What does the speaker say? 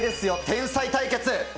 天才対決。